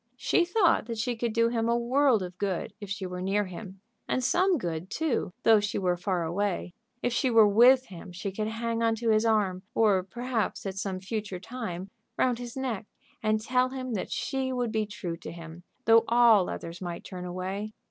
She thought that she could do him a world of good if she were near him, and some good, too, though she were far away. If she were with him she could hang on to his arm, or perhaps at some future time round his neck, and tell him that she would be true to him though all others might turn away.